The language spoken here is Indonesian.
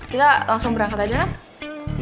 kita langsung berangkat aja kah